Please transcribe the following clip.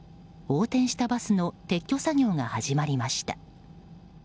横転したバスの撤去作業が始まりました。